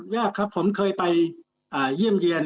ยากครับผมเคยไปเยี่ยมเยี่ยน